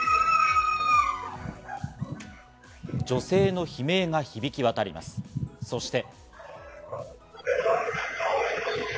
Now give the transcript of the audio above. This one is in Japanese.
女性の悲鳴が響き渡ります、そして。